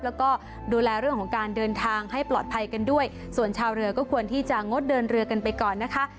แล้วก็ดูแลเรื่องของการเดินทางให้ปลอดภัยกันด้วยส่วนชาวเรือก็ควรที่จะงดเดินเรือกันไปก่อนนะคะ